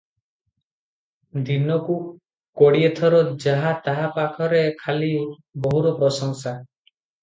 ଦିନକୁ କୋଡ଼ିଏ ଥର ଯାହା ତାହା ପାଖରେ ଖାଲି ବୋହୂର ପ୍ରଶଂସା ।